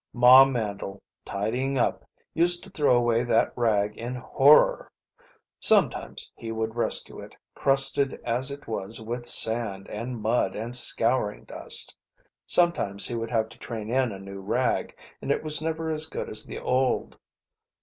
Ma Mandle, tidying up, used to throw away that rag in horror. Sometimes he would rescue it, crusted as it was with sand and mud and scouring dust. Sometimes he would have to train in a new rag, and it was never as good as the old.